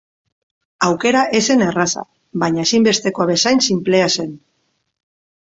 Aukera ez zen erraza, baina ezinbestekoa bezain sinplea zen.